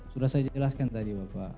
sudah saya jelaskan tadi bapak